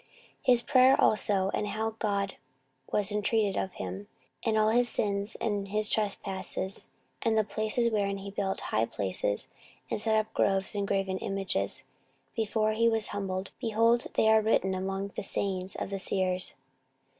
14:033:019 His prayer also, and how God was intreated of him, and all his sins, and his trespass, and the places wherein he built high places, and set up groves and graven images, before he was humbled: behold, they are written among the sayings of the seers.